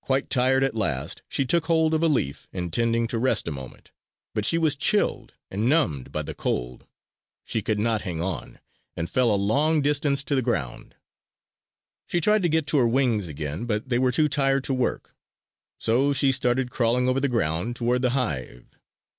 Quite tired at last, she took hold of a leaf, intending to rest a moment; but she was chilled and numbed by the cold. She could not hang on, and fell a long distance to the ground. She tried to get to her wings again, but they were too tired to work. So she started crawling over the ground toward the hive.